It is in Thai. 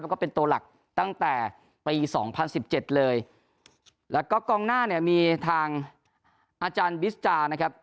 แล้วก็เป็นตัวหลักตั้งแต่ปี๒๐๑๗เลยแล้วก็กองหน้ามีทางอาจารย์บิศจานะครับ